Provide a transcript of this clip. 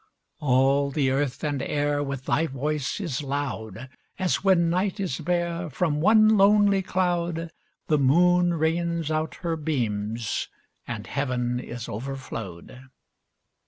All the earth and air With thy voice is loud, As, when night is bare, From one lonely cloud The moon rains out her beams, and heaven is overflow'd.